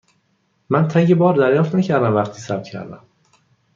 من تگ بار دریافت نکردم وقتی ثبت کردم.